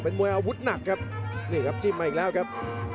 มวยอาวุธหนักครับนี่ครับจิ้มมาอีกแล้วครับ